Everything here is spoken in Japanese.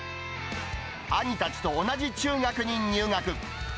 兄たちと同じ中学に入学。